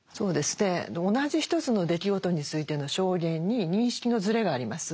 同じ一つの出来事についての証言に認識のずれがあります。